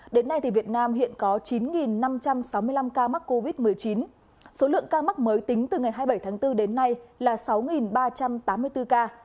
đến nay việt nam hiện có chín năm trăm sáu mươi năm ca mắc covid một mươi chín số lượng ca mắc mới tính từ ngày hai mươi bảy tháng bốn đến nay là sáu ba trăm tám mươi bốn ca